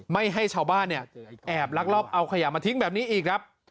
ไม่ให้ชาวบ้านเนี่ยแอบลักลอบเอาขยะมาทิ้งแบบนี้อีกครับ